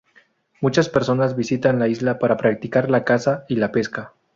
Muchas personas visitan la isla para practicar la caza y la pesca.